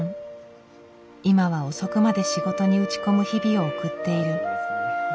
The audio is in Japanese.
今は遅くまで仕事に打ち込む日々を送っている。